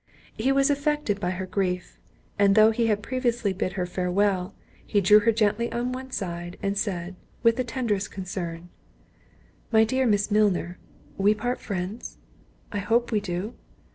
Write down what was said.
He was affected by her grief; and though he had previously bid her farewell, he drew her gently on one side, and said, with the tenderest concern, "My dear Miss Milner, we part friends?—I hope we do?